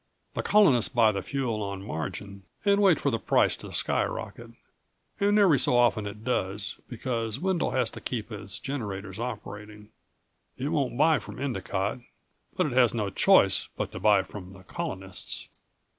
The colonists buy the fuel on margin and wait for the price to skyrocket. And every so often it does, because Wendel has to keep its generators operating. It won't buy from Endicott, but it has no choice but to buy from the colonists.